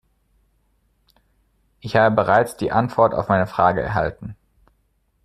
Ich habe bereits die Antwort auf meine Frage erhalten.